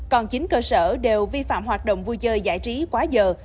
còn chín cơ sở đều vi phạm hoạt động vui chơi giải trí quá giờ